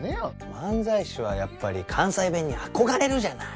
漫才師はやっぱり関西弁に憧れるじゃない！